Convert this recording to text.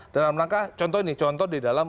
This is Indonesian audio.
dalam rangka contoh ini contoh di dalam